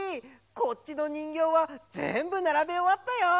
こっちのにんぎょうはぜんぶならべおわったよ！